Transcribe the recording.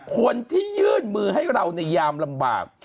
คนที่ยื่นมือให้เราในยามลำบาก